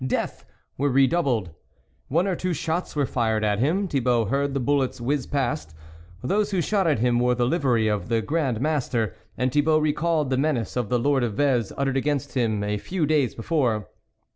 "death!" were redoubled. One or two shots were fired at him ; Thibault heard the bullets whizz past ; those who shot at him wore the livery of the Grand Master, and Thi bault recalled the menace of the lord of Vex, uttered against him a few days be fore.